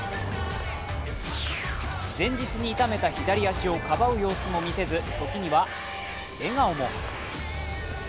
前日に痛めた左足をかばう様子も見せず、時には笑顔も。